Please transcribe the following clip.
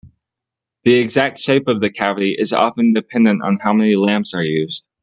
The exact shape of the cavity is often dependent on how many lamps are used.